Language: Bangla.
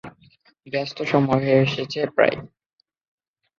ব্যস্ত সময় হয়ে এসেছে প্রায়।